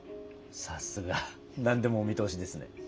さすが。何でもお見通しですね。